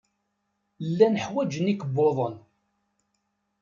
Llan ḥwajen ikebbuḍen.